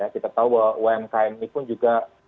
kita tahu bahwa umkm ini pun juga